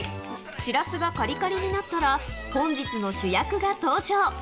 シラスがかりかりになったら、本日の主役が登場。